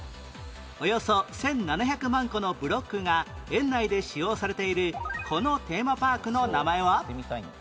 およそ１７００万個のブロックが園内で使用されているこのテーマパークの名前は？